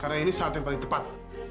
karena ini saat yang paling tepat